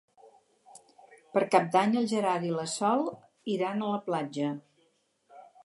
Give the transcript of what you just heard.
Per Cap d'Any en Gerard i na Sol iran a la platja.